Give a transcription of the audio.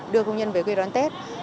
đưa công nhân về quê đoàn tết